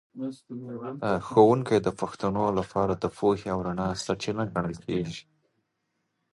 ښوونکی د پښتنو لپاره د پوهې او رڼا سرچینه ګڼل کېږي.